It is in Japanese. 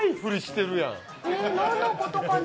え何のことかな。